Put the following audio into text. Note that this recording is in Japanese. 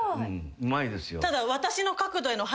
うまいですよ。